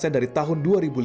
dari tahun dua ribu lima belas